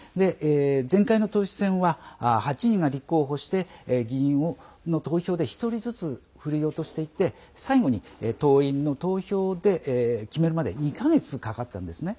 前回の党首選は８人が立候補して議員の投票で１人ずつふるい落としていって最後に党員の投票で決めるまで２か月かかったんですね。